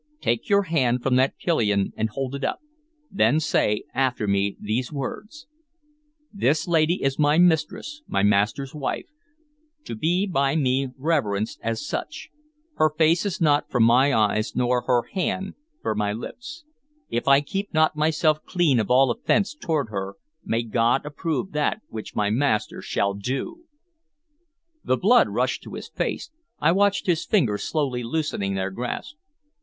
Take your hand from that pillion and hold it up; then say after me these words: 'This lady is my mistress, my master's wife, to be by me reverenced as such. Her face is not for my eyes nor her hand for my lips. If I keep not myself clean of all offense toward her, may God approve that which my master shall do!'" The blood rushed to his face. I watched his fingers slowly loosening their grasp.